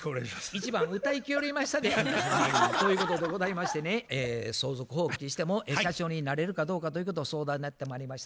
１番歌いきりよりましたで。ということでございましてね相続放棄しても社長になれるかどうかということを相談にやってまいりました。